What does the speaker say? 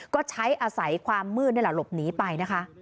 ก็ใช้อาศัยความมืดลบหนีไปนะคะ